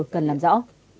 cần làm rõ